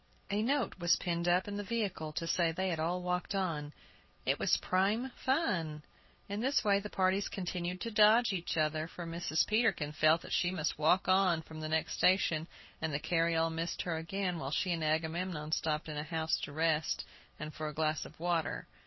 A note was pinned up in the vehicle to say they had all walked on; it was "prime fun." In this way the parties continued to dodge each other, for Mrs. Peterkin felt that she must walk on from the next station, and the carryall missed her again while she and Agamemnon stopped in a house to rest, and for a glass of water.